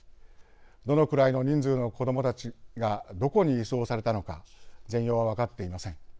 どれくらいの人数の子どもたちがどこに移送されたのか全容は分かっていません。